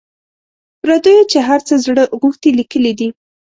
پردیو چي هر څه زړه غوښتي لیکلي دي.